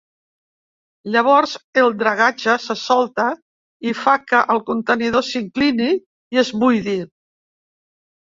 Llavors, el dragatge se solta i fa que el contenidor s'inclini i es buidi.